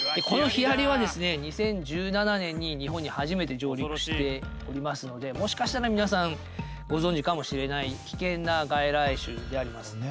このヒアリはですね２０１７年に日本に初めて上陸しておりますのでもしかしたら皆さんご存じかもしれない危険な外来種であります。